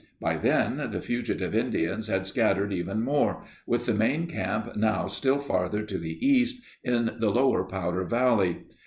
By then the fugitive Indians had scattered even more, with the main camp now still farther to the east, in the lower Powder Valley.